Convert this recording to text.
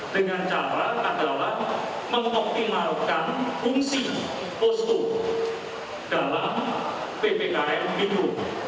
dengan cara adalah mengoptimalkan fungsi postu dalam ppkm bidu